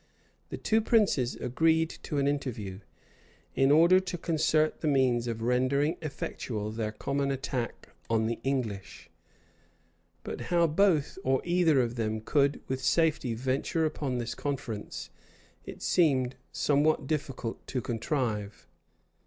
The two princes agreed to an interview, in order to concert the means of rendering effectual their common attack on the English; but how both or either of them could with safety venture upon this conference, it seemed somewhat difficult to contrive.